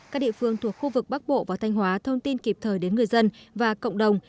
các địa phương thuộc khu vực bắc bộ và thanh hóa thông tin kịp thời đến người dân và cộng đồng